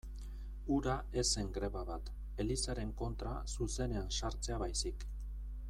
Hura ez zen greba bat, Elizaren kontra zuzenean sartzea baizik.